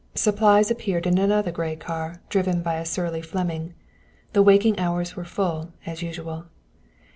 Supplies appeared in another gray car, driven by a surly Fleming. The waking hours were full, as usual.